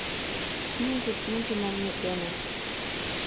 Пӱнчӧ, пӱнчӧ манмет дене